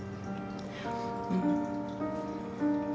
うん。